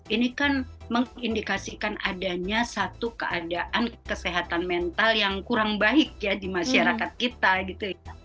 ini kan mengindikasikan adanya satu keadaan kesehatan mental yang kurang baik ya di masyarakat kita gitu ya